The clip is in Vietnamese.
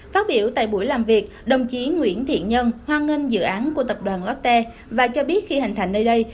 phát biểu tại buổi làm việc đồng chí nguyễn thiện nhân hoan nghênh dự án của tập đoàn lotte và cho biết khi hành thành nơi đây